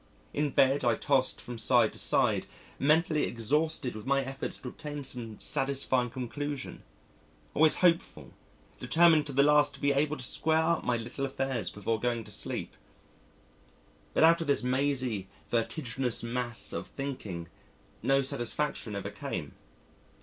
In bed, I tossed from side to side, mentally exhausted with my efforts to obtain some satisfying conclusion always hopeful, determined to the last to be able to square up my little affairs before going to sleep. But out of this mazy, vertiginous mass of thinking no satisfaction ever came.